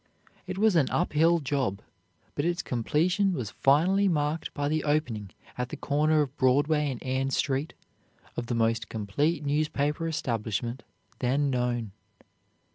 It was an up hill job, but its completion was finally marked by the opening at the corner of Broadway and Ann Street of the most complete newspaper establishment then known.